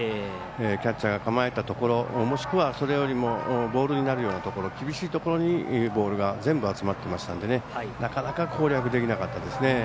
キャッチャーが構えたところもしくはそれよりもボールになるようなところ厳しいところにボールが全部集まっていましたのでなかなか攻略できなかったですね。